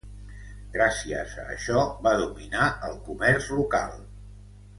Gràcies a això va dominar el comerç local.